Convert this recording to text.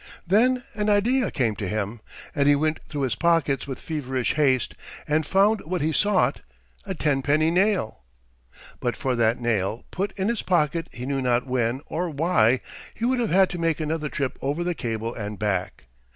Then an idea came to him, and he went through his pockets with feverish haste, and found what he sought—a ten penny nail. But for that nail, put in his pocket he knew not when or why, he would have had to make another trip over the cable and back.